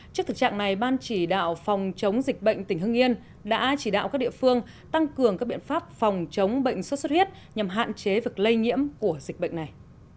trước thực trạng này ban chỉ đạo phòng chống dịch bệnh tỉnh hưng yên đã chỉ đạo các địa phương tăng cường các biện pháp phòng chống bệnh sốt xuất huyết nhằm hạn chế việc lây nhiễm của dịch bệnh này